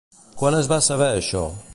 Quan es va saber això?